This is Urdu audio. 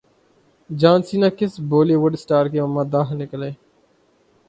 جان سینا کس بولی وڈ اسٹار کے مداح نکلے